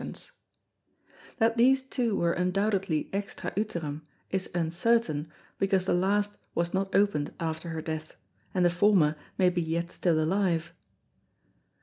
_ That these two were undoubtedly extra Uterum, is uncertain, because the last was not open'd after her death, and the former may be yet still alive.